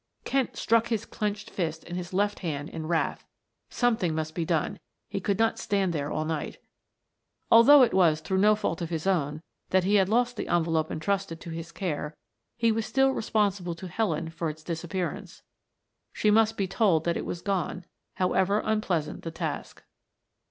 Kent struck his clenched fist in his left hand in wrath; something must be done, he could not stand there all night. Although it was through no fault of his own that he had lost the envelope entrusted to his care, he was still responsible to Helen for its disappearance. She must be told that it was gone, however unpleasant the task.